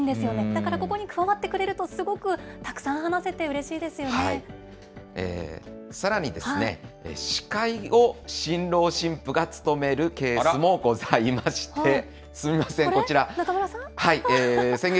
だからここに加わってくれるとすごくたくさんさらに、司会を新郎新婦が務めるケースもございまして、すみません、こち中村さん？